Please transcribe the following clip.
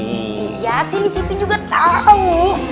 iya sih siti juga tau